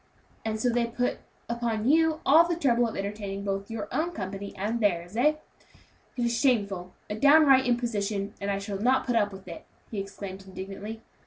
"And so they put upon you all the trouble of entertaining both your own company and theirs, eh? It is shameful! a downright imposition, and I shall not put up with it!" he exclaimed indignantly.